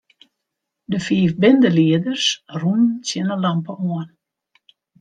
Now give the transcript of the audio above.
De fiif bindelieders rûnen tsjin 'e lampe oan.